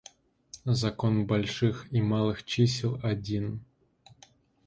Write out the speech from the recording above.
Закон больших и малых чисел один.